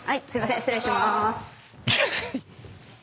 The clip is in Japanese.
失礼しまーす。